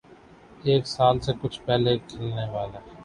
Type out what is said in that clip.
ایک سال سے کچھ پہلے کھلنے والے